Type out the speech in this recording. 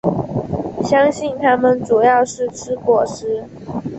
相信它们主要是吃果实。